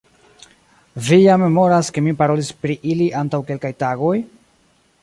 Vi ja memoras, ke mi parolis pri ili antaŭ kelkaj tagoj?